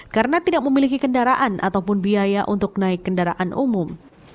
karena tidak memiliki kendaraan ataupun biaya untuk naik kendaraan umum